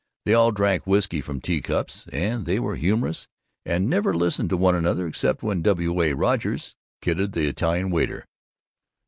They all drank whisky from tea cups, and they were humorous, and never listened to one another, except when W. A. Rogers "kidded" the Italian waiter.